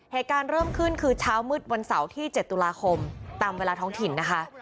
เหตุการณ์เริ่มขึ้นคือเช้ามืดวันเสาร์ที่๗ตุลาคมตามเวลาท้องถิ่นนะคะ